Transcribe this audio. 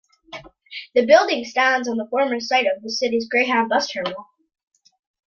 The building stands on the former site of the city's Greyhound bus terminal.